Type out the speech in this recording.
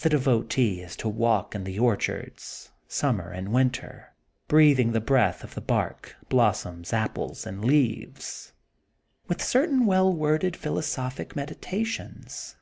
The devotee is to walk in the orchards summer and winter, breathing the breath of the bark, blossoms, apples, and leaves, with certain well worded philosophic meditations.